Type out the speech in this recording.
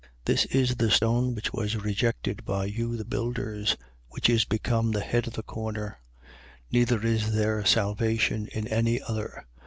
4:11. This is the stone which was rejected by you the builders, which is become the head of the corner. 4:12. Neither is there salvation in any other.